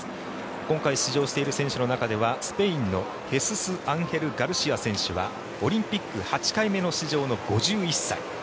今回出場している選手の中ではスペインのヘスス・アンヘル・ガルシア選手はオリンピック８回目の出場の５１歳。